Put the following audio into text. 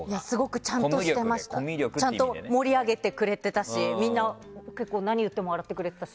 ちゃんと盛り上げてくれてたし何言っても笑ってくれてたし。